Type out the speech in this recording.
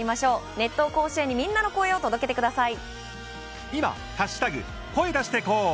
熱闘甲子園にみんなの声を届けてください。